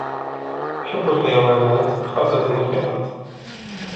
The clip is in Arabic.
. أحبّ الحيوانات خاصّة القطط